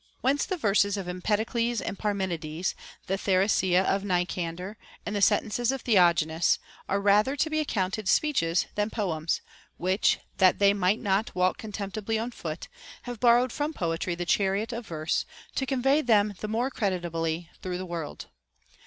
Whence the verses of Empedocles and Parmenides, the Theriaca of Nicander, and the sentences of Theognis, are rather to be accounted speeches than poems, which, that they might not walk contemptibly on foot, have borrowed from poetry the chariot of verse, to convey them the more creditably through the world.